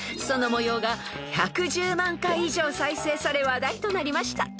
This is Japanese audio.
［そのもようが１１０万回以上再生され話題となりました］